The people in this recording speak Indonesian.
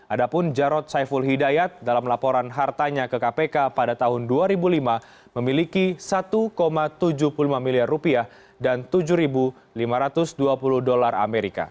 ada pun jarod saiful hidayat dalam laporan hartanya ke kpk pada tahun dua ribu lima memiliki satu tujuh puluh lima miliar rupiah dan tujuh lima ratus dua puluh dolar amerika